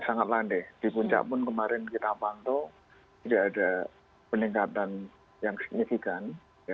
sangat landai di puncak pun kemarin kita pantau tidak ada peningkatan yang signifikan